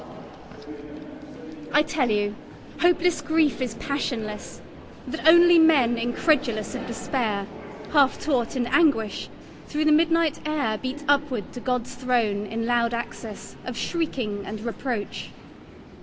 Grief I TELL you, hopeless grief is passionless; That only men incredulous of despair, Half taught in anguish, through the midnight air Beat upward to God's throne in loud access Of shrieking and reproach.